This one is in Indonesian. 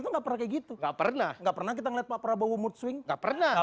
nggak pernah gitu nggak pernah nggak pernah kita ngelihat pak prabowo mood swing tak pernah nggak